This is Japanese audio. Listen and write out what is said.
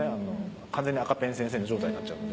完全に赤ペン先生の状態になっちゃうので。